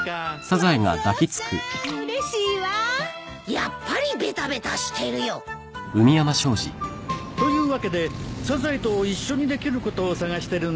やっぱりベタベタしてるよ。というわけでサザエと一緒にできることを探してるんだよ。